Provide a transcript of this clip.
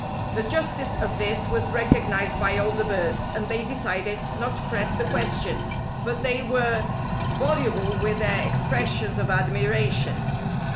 The justice of this was recognized by all the birds, and they decided not to press the question; but they were voluble with their expressions of admiration.